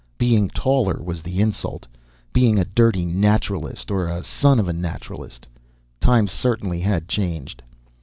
Being taller was the insult. Being a dirty Naturalist or a son of a Naturalist. Times certainly had changed.